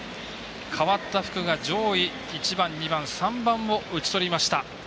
代わった福が上位１番、２番、３番を打ち取りました。